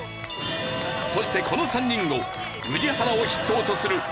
そしてこの３人を宇治原を筆頭とする『Ｑさま！！』